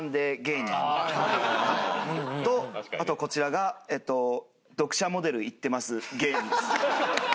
あとこちらがえっと「読者モデルいってます芸人」です。